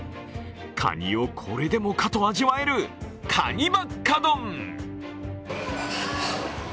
かにをこれでもかと味わえるかにばっか丼。